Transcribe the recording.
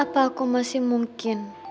apa aku masih mungkin